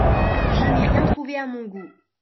Je n'ai rien trouvé à mon goût.